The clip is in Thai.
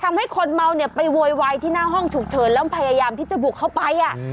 คนเมาเนี่ยไปโวยวายที่หน้าห้องฉุกเฉินแล้วพยายามที่จะบุกเข้าไป